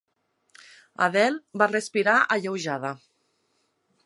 Adele va respirar alleujada.